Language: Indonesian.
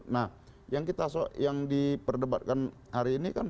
nah yang kita soal yang diperdebatkan hari ini kan